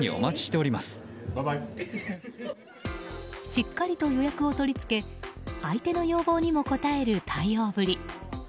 しっかりと予約を取り付け相手の要望にも応える対応ぶり。